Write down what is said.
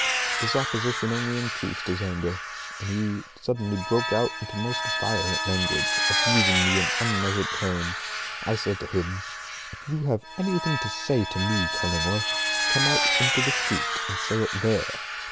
This opposition only increased his anger, and he suddenly broke out into most violent language, abusing me in unmeasured terms. I said to him, "If you have anything to say to me, Cullingworth, come out into the street and say it there.